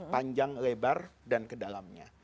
panjang lebar dan kedalamnya